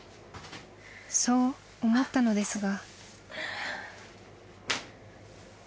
［そう思ったのですが］